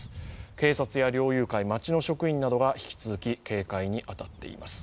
警察や猟友会、町の職員などが引き続き警戒に当たっています。